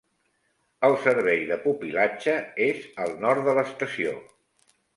El servei de pupil·latge és al nord de l'estació.